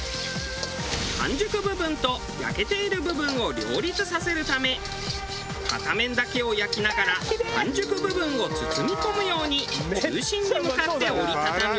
半熟部分と焼けている部分を両立させるため片面だけを焼きながら半熟部分を包み込むように中心に向かって折り畳み。